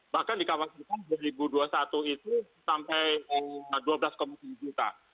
bahkan dikhawatirkan dua ribu dua puluh satu itu sampai dua belas tujuh juta